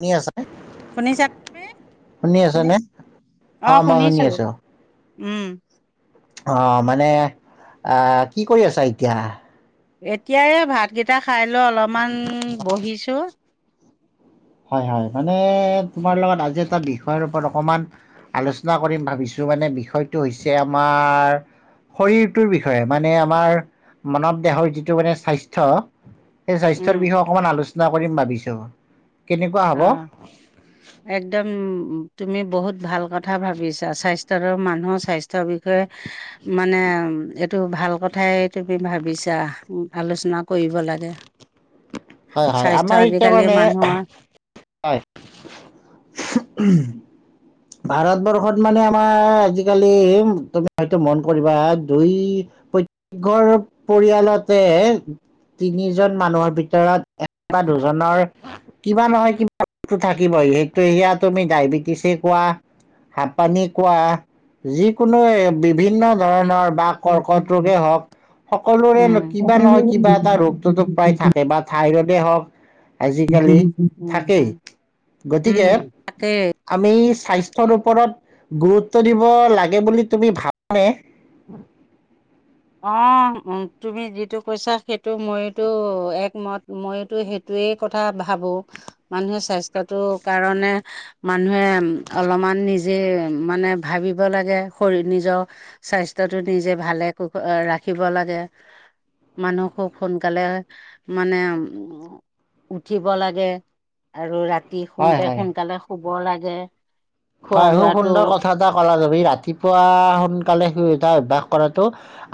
নি আছ শুনিছা তুমি শুনি আছা নে? অ, মই শুনি আছো। উম অ, মানে আ কি কৰি আছা এতিয়া? এতিয়া এই ভাতকেইটা খাই লৈ অলপমান বহিছোঁ। হয় হয় মানে তোমাৰ লগত আজি এটা বিষয়ৰ ওপৰত অকমান আলোচনা কৰিম ভাবিছো মানে বিষয়টো হৈছে আমাৰ শৰীৰটোৰ বিষয়ে মানে আমাৰ মানৱ দেহৰ যিটো মানে স্বাস্থ্য। উম স্বাস্থ্যৰবিষয়ে অকনমান আলোচনা। কিবা কৰিম ভাবিছো। কেনেকুৱা হ'ব? আঁহ একদম। তুমি বহুত ভাল কথা ভাবিছা স্বাস্থ্য মানুহৰ স্বাস্থ্যৰ বিষয়ে মানে তটো ভাল কথাই তুমি ভাবিছা আলোচনা কৰিব লাগে। হয় স্বাস্থ্য হয় আজিকালি মানুহৰ আমাৰ এতিয়া মানে। হয় চাই ভাৰতবৰ্ষত মানে আমাৰ আজিকালি তুমি হয়তো মন কৰিবা দুই প্ৰত্যেক ঘৰ পৰিয়ালতে তিনিজন মানুহৰ ভিতৰত বা দুজনৰ কিবা নহয় কিবা বস্তু থাকিবই সেইটো এয়া তুমি ডায়বেটিচ। কোৱা হ পানী কোৱা যিকোনো। বিভিন্ন ধৰণৰ বা কৰ্কট ৰোগে হওঁক সকলোৰে উম কিবা নহয় কিবা এটা ৰোগটোতো প্ৰায় থাকে বা থাইৰইড দে হক আজিকালি উম থাকেই গতিকে উম তাকেই আমি স্বাস্থ্যৰ ওপৰত গুৰুত্ব দিব লাগে বুলি তুমি ভাবা নে। অ তুমি যিটো কৈছা সেইটো মইতো একমত মইতো সেইটোৱেই কথা ভাবো মানুহে স্বাস্থ্যটো কাৰণে মানুহে অলপমান নিজে মানে ভাবিব লাগে শৰীৰ নিজৰ স্বাস্থ্যটো নিজে ভালে। ৰাখিব লাগে মানুহ খুব সোনকালে মানে উ উঠিব লাগে আৰু ৰা। হয় শুওঁতে হয় সোনকালে শুব। ব লাগে। খোৱা হয় খুব লোৱাটো সুন্দৰ কথা এটা কলা যাব। ৰাতিপুৱা সোনকালে শুই উঠা অভ্যাস কৰাতটো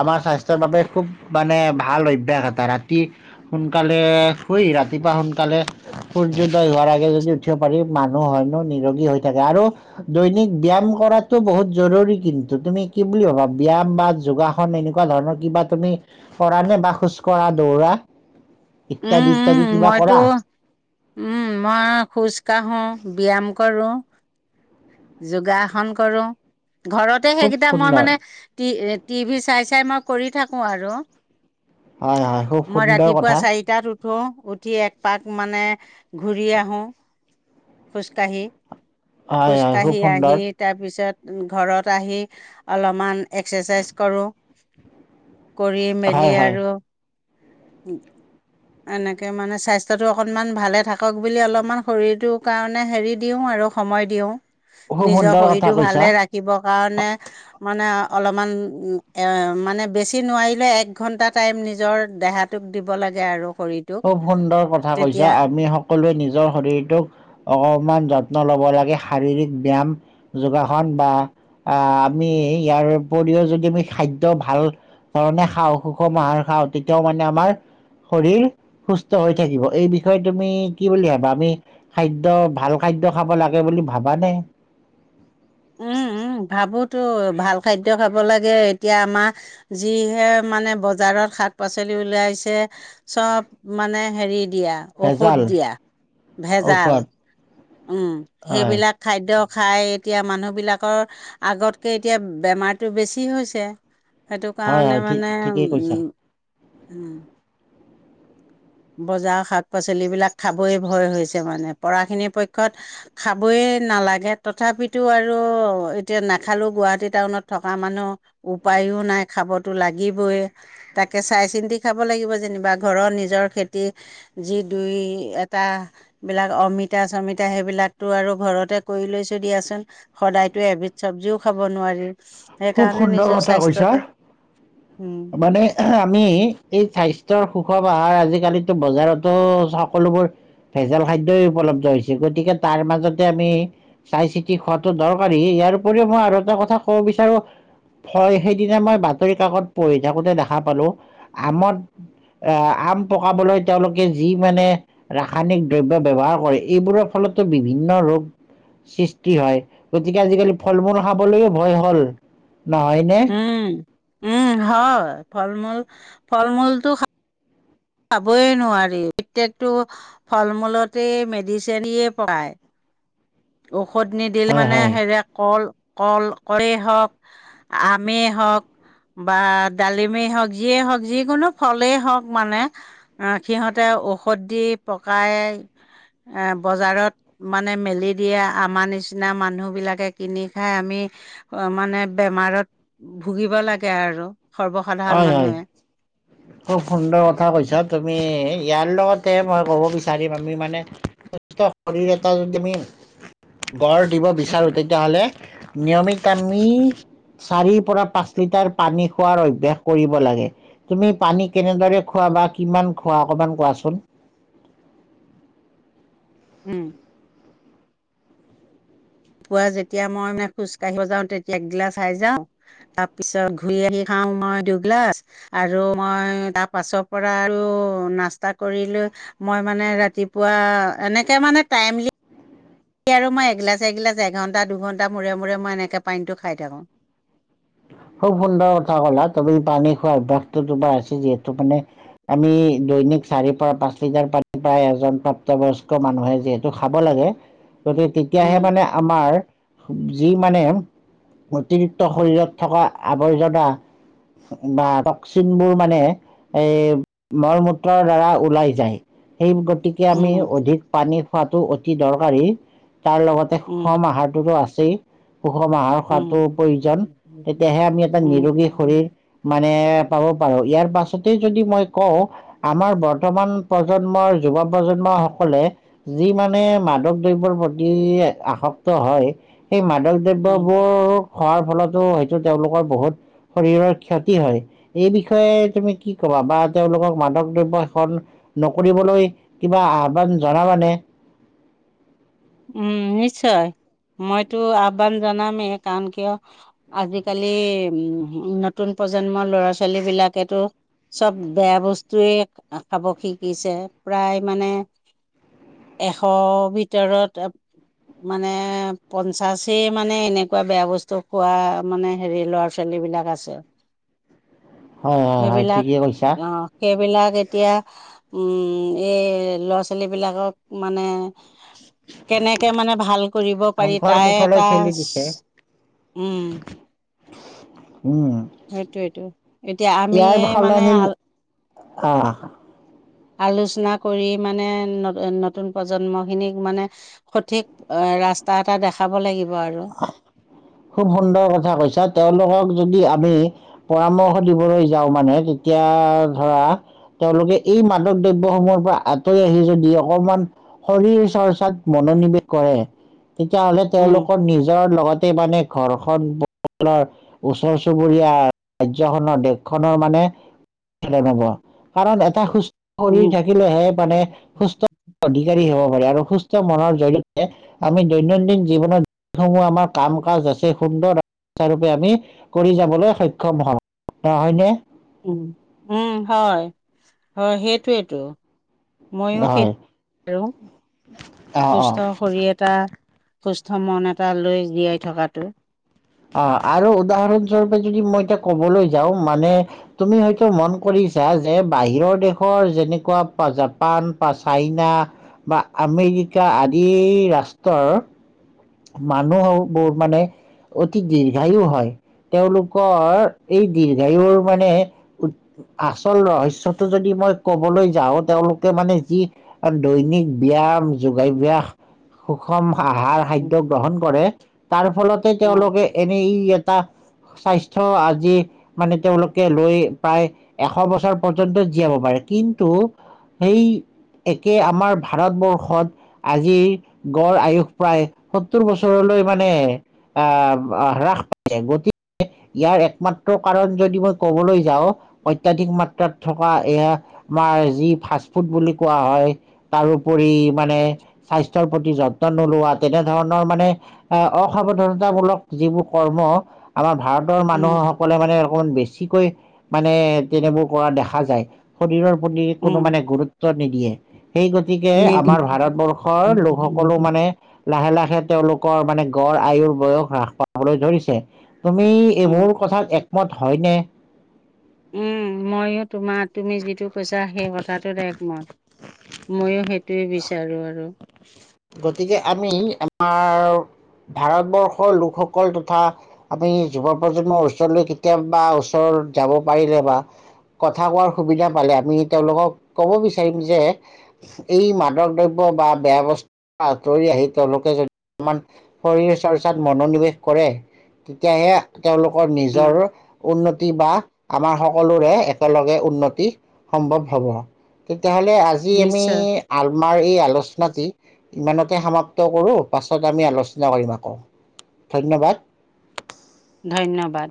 আমাৰ স্বাস্থ্যৰ বাবে খুব মানে ভাল অভ্যাস এটা ৰাতি সোনকালে শুই ৰাতিপুৱা সোনকালে সূৰ্যোদয় হোৱাৰ আগে যদি উঠিব পাৰি মানুহ হয়নো নিৰোগী হৈ থাকে আৰু। দৈনিক ব্যয়ায়াম কৰাতটো বহুত জৰুৰী কিন্তু তুমি কি বুলি ভাবা ব্যায়াম বা যোগাসন এনেকুৱা ধৰণৰ কিবা তুমি কৰা নে বা খোজ কঢ়া দৌৰা। উম, ইত্যাদি উম, ইত্যাদি কিবা মইতো কৰা উম মই খোজ কাঢ়ো ব্যায়াম কৰোঁ যোগাসন কৰো ঘৰতে খুব সেইকেইটা মই সুন্দৰ মানে তি। টিভি চাই চাই মই কৰি থাকো আৰু হয় হয় খুব মই সুন্দৰ ৰাতিপুৱা কথা। চাৰিটাত উঠো উঠি এক পাক মানে ঘূৰি আহোঁ খোজকাঢ়ি। হয় খুব কাঢ়ি আহি সুন্দৰ তাৰপিছত ঘৰত আহি অলপমান এক্সাৰচাইজ কৰোঁ। কৰি মেলি হয় হয় আৰু এনেকে মানে স্বাস্থ্যটো অকনমান ভালে থাকক বুলি অলপমান শৰীৰটোৰ কাৰণে হেৰি দিওঁ আৰু সময় দিওঁ খুব নিজৰ সুন্দৰ কথা শৰীৰতটো কৈছা ভালে ৰাখিব কাৰণে মানে অলপমান মানে বেছি নোৱাৰিলে এক ঘণ্টা টাইম নিজৰ দেহাটোক দিব লাগে আৰু শৰীৰটোক খুব সুন্দৰ কথা কৈছে তেতিয়া আমি সকলোৱে নিজৰ শৰীৰটোক অকমান যত্ন লব লাগে শাৰীৰিক ব্যায়াম যোগাসন বা আহ আমি ইয়াৰ উপৰিও যদি আমি খাদ্য ভাল ধৰণে খাওঁ সুষম আহাৰ খাওঁ তেতিয়াও মানে আমাৰ শৰীৰ সুস্থ হৈ থাকিব এই বিষয়ে তুমি কি বুলি ভাবা আমি খাদ্য ভাল খাদ্য খাব লাগে বুলি ভাবানে উম উম ভাবোতো ভাল খাদ্য খাব লাগে এতিয়া আমাৰ যিহে মানে বজাৰত শাক-পাচলি উওলাইছে চব মানে হেৰিত ঔষধ ভেজাল দিয়া ঔষধ ভেজাল উম হয় সেইবিলাক খাদ খাই এতিয়া মানুহবিলাকৰ আগতকে এতিয়া বেমাৰতটো বেছি হৈছে সেইটো হয় কাৰণে হয় ঠিক মানে ঠিকেই কৈছা উম বজাৰ শাক পাচলিবিলাক খাবয়ই ভয় হৈছে মানে পঢ়াখিনিৰ পক্ষত খাবয়ে নালাগে তথাপিতো আৰু এতিয়া নাখালো গুৱাহাটী টাউনত থকা মানুহ উপায়ো নাই খাবতো লাগিবইে তাকে চাই চিন্তি খাব লাগিব যেনিবা ঘৰৰ নিজৰ খেতি যি দুই এটাবিলাক অমিতা চমিতা সেইবিলাকতো আৰু ঘৰতে কৰি লৈছোঁ দিয়াচোন সদায়তো এবিধ চব্জিও খাব নোৱাৰি খুব সেইকাৰণে সুন্দৰ নিজৰ কথা কৈছ স্বাস্থ্যটো উম মানে আমি এই স্বাস্থ্যৰ সুখত আজিকালিতো বজাৰতো সকলোবোৰ ভেজাল খাদ্যই উপলব্ধ হৈছে গতিকে তাৰ মাজতে আমি চাই চিতি খোৱাাতটো দৰকাৰী ইয়াৰ উপৰিও মই আৰু এটা কথা কব বিচাৰো হয় সেইদিনা মই বাতৰি কাকত পঢ়ি থাকোতে দেখা পালো আমত আহ আম পকাবলৈ তেওঁলোকে যি মানে ৰাসায়নিক দ্ৰব্য ব্যৱহাৰ কৰে এইবোৰৰ ফলতো বিভিন্ন ৰোগ সৃষ্টি হয় গতিকে আজিকালি ফল মূল খাবলৈয়ও ভয় হ'ল নহয়নে উম উম হয় ফল মূল ফল মূলটো খাবই নোৱাৰি প্ৰত্যেকটো ফল মূলতেই মেডিচিনিয়ে পায় অ ঔষধ নিদিলে হয় মানে হয় হেৰে কল কল কয়েই হওক আমেই হওক বা ডালিমেই হওক যিয়েই হওক যিকোনো ফলেই হওক মানে সিহঁতে ঔষধ দি পকাই বজাৰত মানে মেলি দিয়ে আমাৰ নিচিনা মানুহ বিলাকে কিনি খাই আমি মানে বেমাৰত ভুগিব লাগে আৰু সৰ্বসাধাৰণ হয় হয় মানুহে খুব সুন্দৰ কথা কৈছা তুমি ইয়াৰ লগত মই ক'ব বিচাৰিম আমি মানে স শৰীৰ এটা যদি আমি গঢ় দিব বিচাৰো তেতিয়াহলে নিয়মিত আমি চাৰিৰ পৰা পাঁচ লিটাৰ পানী খোৱাৰ অভ্যাস কৰিব লাগে তুমি পানী কেনেদৰে খোৱা বা কিমান খোৱা অকমান কোৱাচোন উম ৰাতিপুৱা যেতিয়া মই মানে খোজ কাঢ়িব যাওঁ তেতিয়া এগিলাচ সাই যাওঁ তাৰপিছত ঘূৰি আহি খাওঁ মই দুগিলাছ আৰু মই তাৰ পাছৰ পৰা আৰু নাস্তা কৰি লৈ মই মানে ৰাতিপুৱা এনেকে মানে টাইমলি স আৰু মই এগিলাছ এগিলাছ এঘণ্টা দুঘণ্টা মূৰে মূৰে মই এনেকে পানীটো খাই থাকোঁ খুব সুন্দৰ কথা কলা তুমি পানী অভ্যাসটো তোমাৰ আছে যিহেতু মানে আমি দৈনিক চাৰিৰ পৰা পাঁচ লিটাৰ পানী প্ৰায় এজন প্ৰাপ্তবয়স্ক মানুহে যিহেতু খাব লাগে। গতিকে তেতিয়াহে উম মানে আমাৰ যি মানে অতিৰিক্ত শৰীৰত। থকা আৱৰ্জনা বা টকচিনবোৰ মানে এই মল মূত্ৰৰ দ্বাৰা ওলাই যায়। সেই গতিকে আমি উম অধিক পানী খোৱাটো অতি দৰকাৰী। তাৰ লগতে উম সুষম আহাৰটোতো আছে। চেই পুখ মাহাৰ উম খোৱাতো প্ৰয়োজন তেতিয়াহে আমি এটা উম নিৰোগী শৰীৰ মানে পাব। ইয়াৰ পাছতে যদি মই কওঁ আমাৰ বৰ্তমান প্ৰজন্মৰ যুৱ প্ৰজন্ম সকলে যি মানে মাদক দ্ৰবৰ প্ৰতি আসক্ত হয় সেই ম পদক উম দ্ৰব্যবোৰ হোৱাৰ ফলত হয়তো তেওঁলোকৰ বহুত। শৰীৰৰ ক্ষতি হয় এই বিষয়ে তুমি কি কবা বা তেওঁলোকক মাদক দ্ৰব্য সেষন নকৰিবলৈ কিবা আহ্বান জনাবানে উম নিশ্চয় মইতো আহ্বান জনামেই কাৰণ কিয় আজিকালি উ নতুন প্ৰজন্মৰ ল'ৰা ছোৱালী বিলাকেতো চব বেয়া বস্তুয়ে খাব শিকিছে প্ৰায় মানে এশ ভিতৰত। মানে পঞ্চাশেই মানে এনেকুৱা বেয়া বস্তু খোৱা মানে হেৰি ল'ৰা ছোৱালীবিলাক আছে। হয় হয় হয় ঠিকে কৰিছা। বিলাক এতিয়া এই ল'ৰা ছোৱালীবিলাকক মানে [unintelligible] কেনেকে মানে ভাল কৰিব পাৰি সংসাৰ তাই মুখলৈ এটা ঠেলি দিছে। উম উম, সেইটোয়েইটো এতিয়া আমি মানে আ অ। আলোচনা কৰি মানে নতুন প্ৰজন্মখিনিক মানে সঠিক ৰাস্তা এটা দেখাব লাগিব। আৰু খুব সুন্দৰ কথা কৈছা তেওঁলোকক যদি আমি পৰামৰ্শ দিবলৈ যাওঁ মানে তেতিয়া ধৰা তেওঁলোকে এই মাদক দ্ৰব্যসমূহৰ পৰা আঁতৰি আহি যদি অকমান শৰীৰ চৰ্চাত মনোনিৱেশ কৰে তেতিয়াহ'লে উম তেওঁলোকৰ নিজৰ লগত বানে ঘৰখন ওচৰ চুবুৰীয়া ৰাজ্যখনৰ দেশখনৰ মানে হব কাৰণ এটা সুস্থ শৰীৰ উম থাকিলেহে মানে সুস্থ অধিকাৰী হব। আৰু সুস্থ মনৰ জৰিয়তে আমি দৈনন্দিন জীৱনত যিসমূহ আমাৰ কাম কাজ আছে। সুন্দৰ ৰূপে আমি কৰি যাবলৈ সক্ষম হওঁ নহয়নে। উ উম হয় হয় সেইটোৱেটো। ময়ো সেই হয় অ অ সুস্থ শৰীৰ এটা সুস্থ মন এটা লৈ জীয়াই থকাটো অ আৰু উদাহৰণ স্বৰূপে যদি মই এতিয়া ক'বলৈ যাওঁ মানে তুমি হয়তো মন কৰিছা যে বাহিৰৰ দেশৰ যেনেকুৱা প জাপান বা ছাইনা বা আমেৰিকা আদি ৰাষ্ট্ৰৰ মানুহ হও বহুত মানে দীৰ্ঘায়ু হয় তেওঁলোকৰ এই দীৰ্ঘায়ুৰ মানে আচল ৰহস্যটো যদি মই ক'বলৈ যাওঁ তেওঁলোকে মানে যি দৈনিক ব্যায়াম যোগাভ্যাস সুষম আহাৰ উম সাধ্য কৰে। তাৰ ফলতে উম তেওঁলোকে এন মে ই এটা স্বাস্থ্য আজি মানে তেওঁলোকে লৈ প্ৰায় এশ বছৰ পৰ্যন্ত জীয়াব পাৰে কিন্তু সেই একে আমাৰ ভাৰতবৰ্ষত আজিৰ গড় আয়ুস প্ৰায় সত্তৰ বছৰলৈ মানে আহ হ্ৰাস পাই গতিকে ইয়াৰ একমাত্ৰ কাৰণ যদি মই ক'বলৈ যাওঁ অত্যাধিক মাত্ৰাত থকা এ আমাৰ যি ফাষ্ট ফুড বুলি কোৱা হয় তাৰোপৰি মানে স্বাস্থ্যৰ প্ৰতি যত্ন নোলোৱাত তেনেধৰণৰ মানে অসাৱধনতামূলক যিবোৰ কৰ্ম আমাৰ ভাৰতৰ উম মানুহসকলে মানে অকমান বেছিকৈ মানে তেনেবোৰ কৰা দেখা যায় শৰীৰৰ শৰীৰৰ প্ৰতি কোনো উম মানে গুৰুত্ব নিদিয়ে সেই গতিকে নিদি আমাৰ ভাৰতবৰ্ষৰ লোকসকলো মানে লাহে লাহে তেওঁলোকৰ মানে গড় আয়ুৰ বয়স হ্ৰাস পাবলৈ ধৰিছে তুমি উম এইবোৰ কথাত এক মত হয়নে উম ময়ো তোমাৰ তুমি যিটো কৈছা সেই কথাটো একমত ময়ো সেইটো গতিকে আমি আমাৰ ভাৰতবৰ্ষৰ লোকসকল তথা আমি যুৱ প্ৰজন্মৰ ওচৰলৈ কেতিয়াবা ওচৰত যাব পাৰিলে বা কথা কোৱাৰ সুবিধা পালে আমি তেওঁলোকক কব বিচাৰিম যে এই মাদক দ্ৰব্য বা বেয়া বস্তু আঁতৰি আহি তেওঁলোকে যদি আমাৰ শৰীৰ চৰ্চাত মনোনিৱেশ কৰে তেতিয়াহে তেওঁলোকৰ উম নিজৰ উন্নতি বা আমাৰ সকলোৰে একেলগে উন্নতি সম্ভৱ হ'ব তেতিয়াহ'লে আজি আমি নিশ্চয় আমাৰ এই আলোচনাটি ইমানতে সমাপ্ত কৰোঁ পাছত আমি আলোচনা কৰিম আকৌ ধন্যবাদ ধন্যবাদ